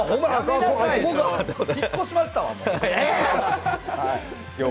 引っ越しましたわ。